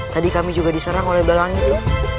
tadi kami juga diserang oleh balang itu